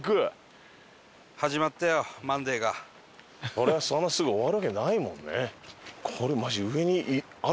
そりゃそんなすぐ終わるわけないもんね。